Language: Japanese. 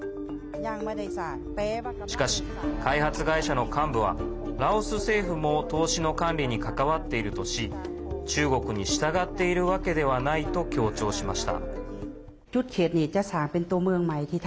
しかし、開発会社の幹部はラオス政府も投資の管理に関わっているとし中国に従っているわけではないと強調しました。